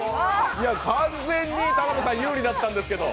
完全に田辺さん有利だったんですけど。